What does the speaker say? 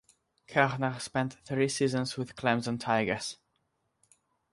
Koerner spent three seasons with Clemson Tigers.